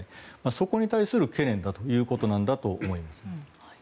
そこに対する懸念だということなんだと思います。